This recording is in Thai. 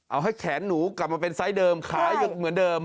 เอาให้แขนหนูกลับมาเป็นไซส์เดิมขายเหมือนเดิม